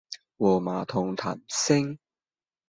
和馬桶談心